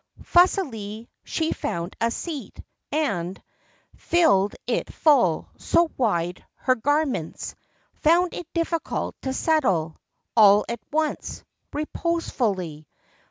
Fussily she found a seat, and Filled it full, so wide her—garments. Found it difficult to settle, All at once, reposefully.